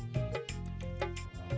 mas rangga mau bantu